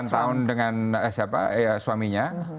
delapan tahun dengan suaminya